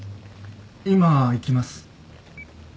今行きます。